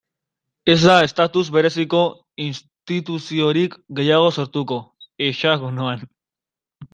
Ez da estatus bereziko instituziorik gehiago sortuko Hexagonoan.